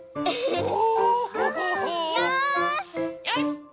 よし！